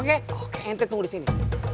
ente tunggu disini